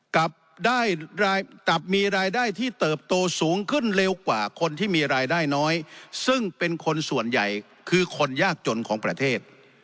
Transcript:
กลับได้กลับมีรายได้ที่เติบโตสูงขึ้นเร็วกว่าคนที่มีรายได้น้อยซึ่งเป็นคนส่วนใหญ่คือคนยากจนของประเทศ